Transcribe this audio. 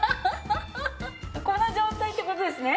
この状態って事ですね？